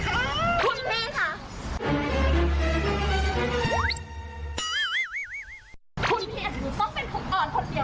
คุณพี่ค่ะ